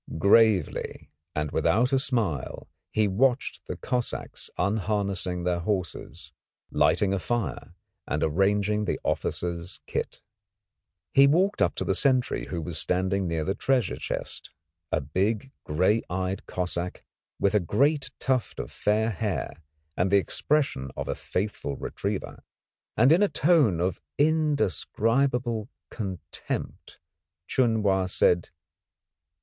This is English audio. Gravely and without a smile he watched the Cossacks unharnessing their horses, lighting a fire and arranging the officers' kit. He walked up to the sentry who was standing near the treasure chest, a big, grey eyed Cossack with a great tuft of fair hair, and the expression of a faithful retriever, and in a tone of indescribable contempt, Chun Wa said "Ping!"